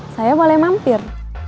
saya boleh mampir